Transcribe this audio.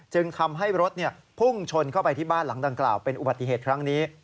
จึงทำให้รถพุ่งชนเข้าไปที่บ้านหลังดังกล่าวเป็นอุบัติเหตุครั้งนี้